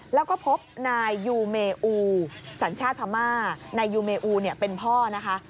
แล้วก็พบนายยูเมอูสัญชาติพม่านายยูเมอูเป็นพ่อนะคะ